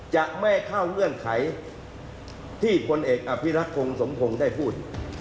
จะไม่เข้าเงื่อนไขที่พลเอกอภิรักษ์คงสมพงศ์ได้พูด